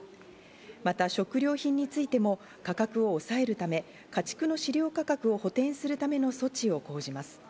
また食料品についても価格を抑えるため、家畜の飼料価格を補填するための措置を講じます。